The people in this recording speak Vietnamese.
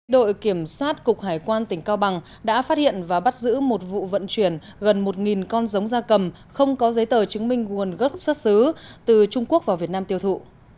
đội kiểm soát cục hải quan tỉnh cao bằng đã phát hiện và bắt giữ một vụ vận chuyển gần một con giống ra cầm không có giấy tờ chứng minh nguồn gốc xuất xứ từ trung quốc vào việt nam tiêu thụ